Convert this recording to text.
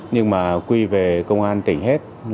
nhưng mà quy về công an tỉnh hết